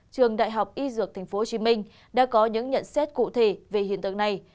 trường đại học y dược tp hcm đã có những nhận xét cụ thể về hiện tượng này